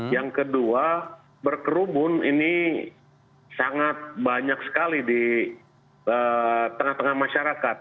yang kedua berkerumun ini sangat banyak sekali di tengah tengah masyarakat